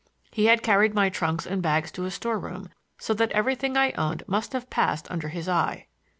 He had carried my trunks and bags to a store room, so that everything I owned must have passed under his eye.